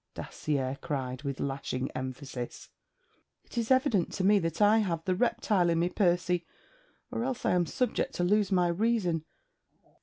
Dacier cried with lashing emphasis. 'It is evident to me that I have the reptile in me, Percy. Or else I am subject to lose my reason.